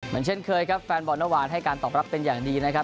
เหมือนเช่นเคยครับแฟนบอร์นวานให้การตอบรับเป็นอย่างดีนะครับ